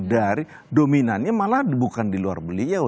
dari dominannya malah bukan di luar beliau